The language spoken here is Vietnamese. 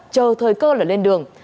chờ thời cơ là lên đường